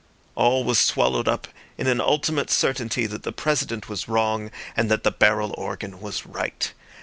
All was swallowed up in an ultimate certainty that the President was wrong and that the barrel organ was right.